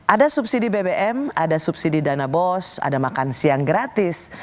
ada subsidi bbm ada subsidi dana bos ada makan siang gratis